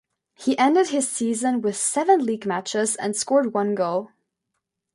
He ended his season with seven league matches and scored one goal.